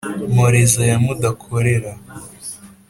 nkoreza ya mudakorera